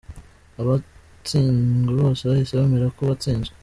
Abatsinzwe bose bahise bemera ko batsinzwe.